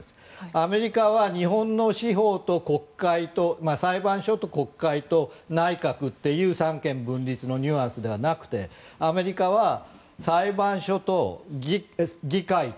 アメリカは日本の司法と国会と裁判所と国会と内閣という三権分立のニュアンスではなくてアメリカは、裁判所と議会と